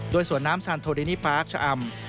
โดยสวนน้ำซานโทดินี่ปาร์คชะอำ